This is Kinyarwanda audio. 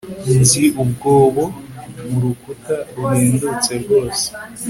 Nzi umwobo murukuta ruhendutse rwose